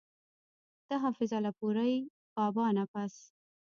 د حافظ الپورۍ بابا نه پس